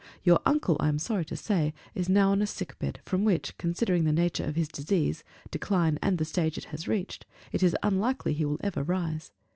Your uncle, I am sorry to say, is now on a sick bed; from which, considering the nature of his disease decline and the stage it has reached, it is unlikely he will ever rise.